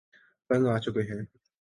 تنگ آچکے ہیں